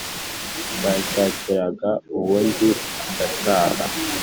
mwanshakiraga ubundi ngataha”